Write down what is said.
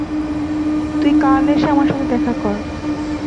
তুই কাল এসে আমার সাথে দেখা কর।